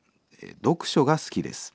「読書が好きです。